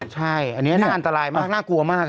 ใช่อันนี้น่าอันตรายมากน่ากลัวมาก